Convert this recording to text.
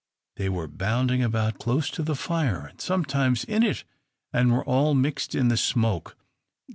They were bounding about close to the fire, and sometimes in it, and were all mixed in the smoke.